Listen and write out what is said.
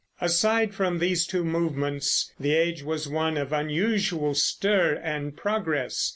Aside from these two movements, the age was one of unusual stir and progress.